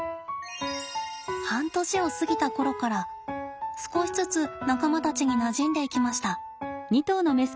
半年を過ぎた頃から少しずつ仲間たちになじんでいきました。